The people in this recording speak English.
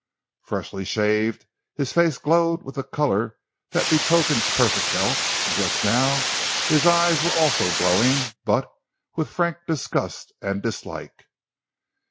Freshly shaved, his face glowed with the color that betokens perfect health; and just now his eyes were also glowing—but with frank disgust and dislike.